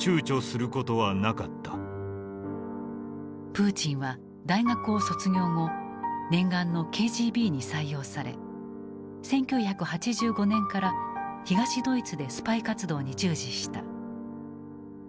プーチンは大学を卒業後念願のＫＧＢに採用され１９８５年から東ドイツでスパイ活動に従事した。